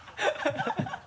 ハハハ